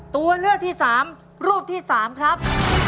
ตัวเลือกที่๓รูปที่๓ครับ